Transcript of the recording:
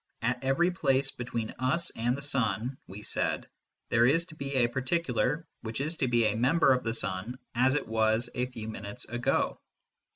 At every place between us and the sun, we said, there is to be a particular which is to be a member of the sun as it was a few minutes ago.